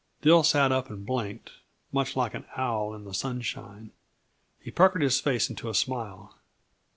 Dill sat up and blinked, much like an owl in the sunshine. He puckered his face into a smile.